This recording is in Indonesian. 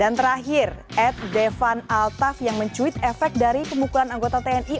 dan terakhir ad devan altaf yang mencuit efek dari pembukulan anggota tni